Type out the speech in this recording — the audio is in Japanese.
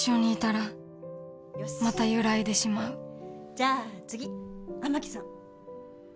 じゃあ次雨樹さん。